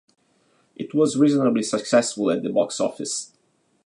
It was reasonably successful at the box office.